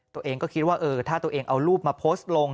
ตัวเองก็คิดว่าถ้าตัวเองเอารูปมาโพสต์ลง